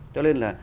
cho nên là